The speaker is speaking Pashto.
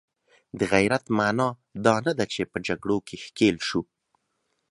د غیرت معنا دا نه ده چې په جګړو کې ښکیل شو.